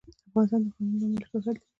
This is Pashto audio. افغانستان د ښارونه له امله شهرت لري.